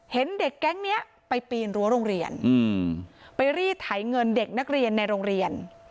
เห็นเด็กแก๊งนี้ไปปีนรั้วโรงเรียนไปรีดไถเงินเด็กนักเรียนในโรงเรียน